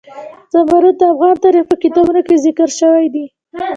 زمرد د افغان تاریخ په کتابونو کې ذکر شوی دي.